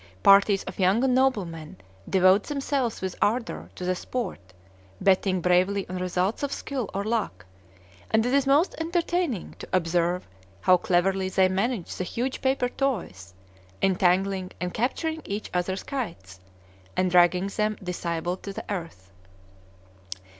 Parties of young noblemen devote themselves with ardor to the sport, betting bravely on results of skill or luck; and it is most entertaining to observe how cleverly they manage the huge paper toys, entangling and capturing each other's kites, and dragging them disabled to the earth.